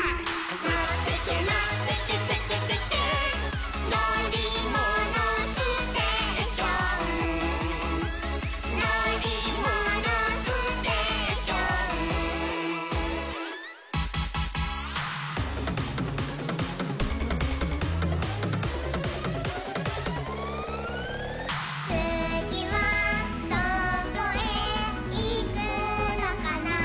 「のってけのってけテケテケ」「のりものステーション」「のりものステーション」「つぎはどこへいくのかな」